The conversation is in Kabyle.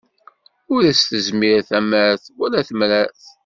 Ur as-tezmir tamart, wala temrart.